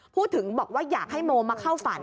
พูดถึงบอกว่าอยากให้โมมาเข้าฝัน